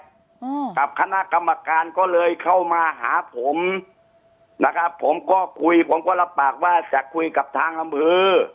อืมกับคณะกรรมการก็เลยเข้ามาหาผมนะครับผมก็คุยผมก็รับปากว่าจะคุยกับทางอำเภอ